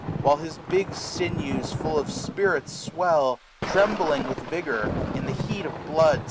While his big sinews full of spirits swell ; Trembling with vigour, in the heat of blood.